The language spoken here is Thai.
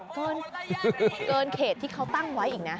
เกินเขตที่เขาตั้งไว้อีกนะ